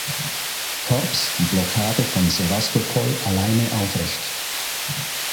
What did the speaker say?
Korps die Blockade von Sewastopol alleine aufrecht.